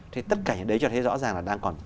thì tất cả những cái đấy cho thấy rõ ràng là đang còn